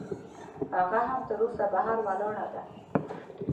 هغه هم تراوسه بهر ولاړه ده.